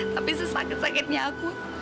tapi sesakit sakitnya aku